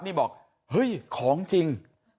นี่บอกเฮ้ยของจริง